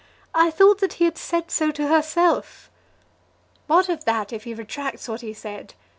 I thought that he had said so to herself." "What of that, if he retracts what he said?